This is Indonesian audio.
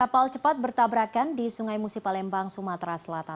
kapal cepat bertabrakan di sungai musi palembang sumatera selatan